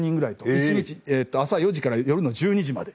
一日朝４時から夜の１２時まで。